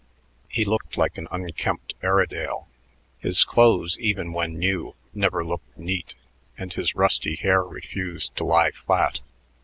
He looked like an unkempt Airedale. His clothes, even when new, never looked neat, and his rusty hair refused to lie flat.